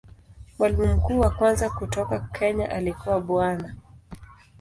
Mwalimu mkuu wa kwanza kutoka Kenya alikuwa Bwana.